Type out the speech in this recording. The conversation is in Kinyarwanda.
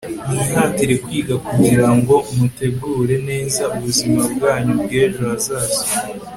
mwihatire kwiga kugira ngo mutegure neza ubuzima bwanyu bw'ejo hazaza